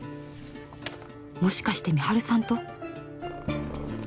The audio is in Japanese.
もしかして美晴さんと？